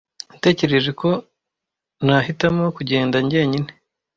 Natekereje ko nahitamo kugenda njyenyine.